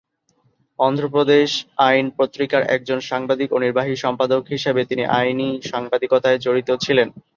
অন্ধ্রপ্রদেশ আইন পত্রিকার একজন সাংবাদিক ও নির্বাহী সম্পাদক হিসাবে তিনি আইনি সাংবাদিকতায় জড়িত ছিলেন।